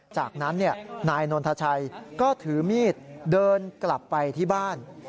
จากนั้นนายนนทชัยก็ถือมีดเดินกลับไปที่บ้าน